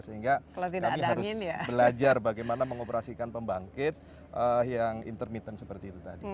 sehingga kami harus belajar bagaimana mengoperasikan pembangkit yang intermittent seperti itu tadi